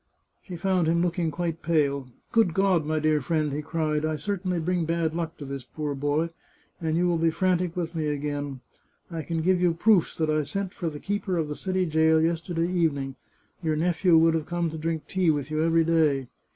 She found him looking quite pale. " Good God, my dear friend 1 " he cried. " I certainly bring bad luck to this poor boy, and you will be frantic with me again. I can give you proofs that I sent for the keeper of the city jail yesterday evening. Your nephew would have come to drink tea with you every day.